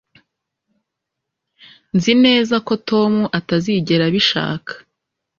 nzi neza ko tom atazigera abishaka